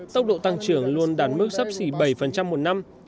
tốc độ tăng trưởng luôn đạt mức sấp xỉ bảy một năm